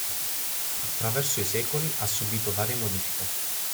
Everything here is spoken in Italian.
Attraverso i secoli ha subito varie modifiche.